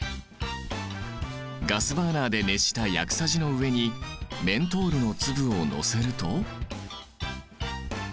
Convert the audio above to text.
ガスバーナーで熱した薬さじの上にメントールの粒を載せると。